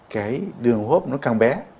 cái đường hô hấp nó càng bé